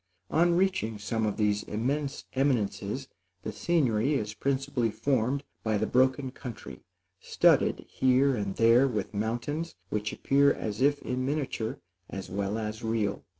On reaching some of these immense eminences, the scenery is principally formed by the broken country, studded here and there with mountains, which appear as if in miniature, as well as real.